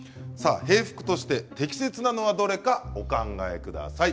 平服として適切なのはどれかお考えください。